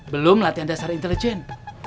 belum latihan dasar intelijen